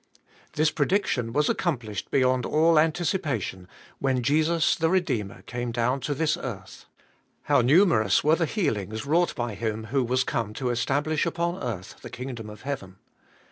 This prediction was accomplished be yond all anticipation when Jesus the Re deemer caiine down to this earth. How numerous were the healings wrought bj Him who was come to establish upon earth the kingdom of heaven!